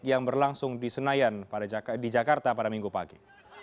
yang berlangsung di senayan di jakarta pada minggu pagi